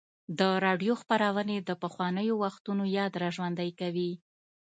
د راډیو خپرونې د پخوانیو وختونو یاد راژوندی کوي.